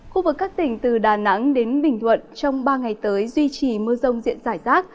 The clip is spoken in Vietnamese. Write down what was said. khu vực các tỉnh từ đà nẵng đến bình thuận trong ba ngày tới duy trì mưa rông diện giải rác